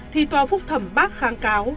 thì toán phúc thẩm bác kháng cáo